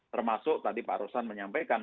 termasuk tadi pak rosan menyampaikan